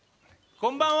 こんばんは。